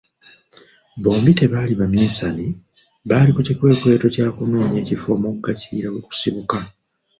Bombi tebaali Baminsani, baali ku kikwekweto kya kunoonya ekifo Omugga Kiyira we gusibuka.